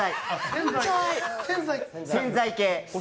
洗剤系。